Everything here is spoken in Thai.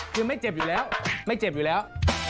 คือไม่เจ็บอยู่แล้วไม่เจ็บอยู่แล้ว